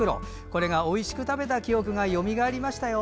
これがおいしく食べた記憶がよみがえりましたよ。